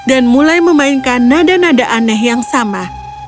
dan mulai memainkan nada nada aneh yang sama